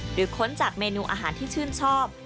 ค้นจากเมนูอาหารที่ชื่นชอบ